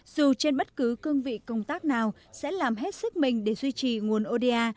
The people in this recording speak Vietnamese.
dù trên bất cứ cương vị công tác nào sẽ làm hết sức mình để duy trì nguồn oda